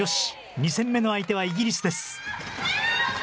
２戦目の相手はイギリスです。